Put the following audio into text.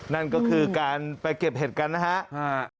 นั่นก็คือการไปเก็บเห็ดกันนะครับ